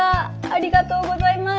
ありがとうございます。